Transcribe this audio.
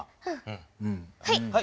はい。